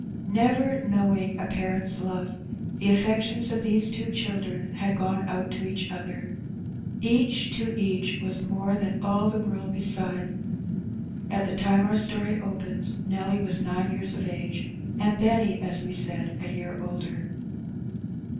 Never know ing a parent's love, the affections of these two children had gone out to each other. Each to each was more than all the world beside. At the time our story opens Nelly was nine years of age, and Benny, as we said, a year older.